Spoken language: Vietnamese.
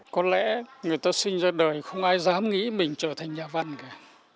có lẽ người ta sinh ra đời không ai dám nghĩ mình trở thành nhà văn cả